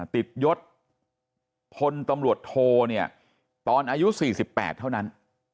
ติดยศพลตำรวจโทตอนอายุ๔๘เท่านั้น